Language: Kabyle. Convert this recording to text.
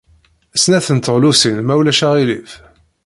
Snat n teɣlusin, ma ulac aɣilif.